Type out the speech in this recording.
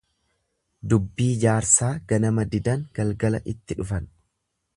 Dubbii jaarsaa ganama didan galgala itti dhufan.